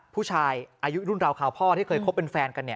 ผู้ชายอายุรุ่นราวคราวพ่อที่เคยคบเป็นแฟนกัน